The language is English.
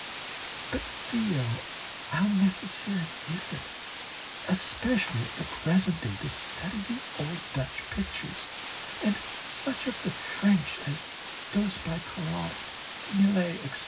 But, Theo, how necessary it is, especially at the present day, to study the old Dutch pictures, and such of the French as those by Corot, Millet, etc.